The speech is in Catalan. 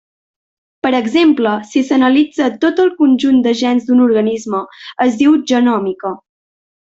Per exemple, si s'analitza tot el conjunt de gens d'un organisme, es diu genòmica.